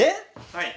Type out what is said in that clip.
はい。